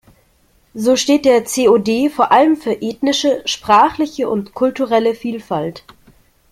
So steht der CoD vor allem für ethnische, sprachliche und kulturelle Vielfalt.